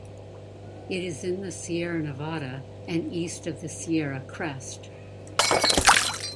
It is in the Sierra Nevada and east of the Sierra Crest.